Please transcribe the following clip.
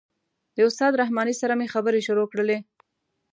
د استاد رحماني سره مې خبرې شروع کړلې.